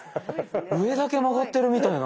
上だけ曲がってるみたいな。